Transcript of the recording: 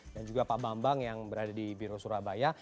dan juga pak bambang yang berada di biro surabaya